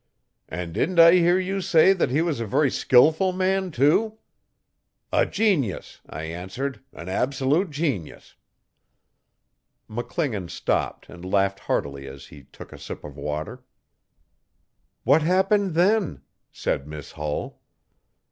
'"And didn't I hear you say that he was a very skilful man, too?" '"A genius!" I answered, "an absolute genius!" McClingan stopped and laughed heartily as he took a sip of water. 'What happened then?' said Miss I lull.